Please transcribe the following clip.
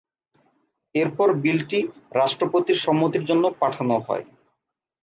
এরপর বিলটি রাষ্ট্রপতির সম্মতির জন্য পাঠানো হয়।